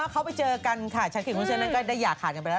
เขาไปเจอกันค่ะชะคริบวุ้นเส้นนั้นก็ได้หยาดขาดกันไปแล้ว